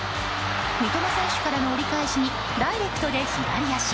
三笘選手からの折り返しにダイレクトで左足。